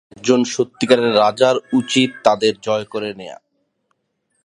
একজন সত্যিকারের রাজার উচিত তাদের জয় করে নেয়া।